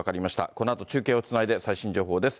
このあと中継をつないで最新情報です。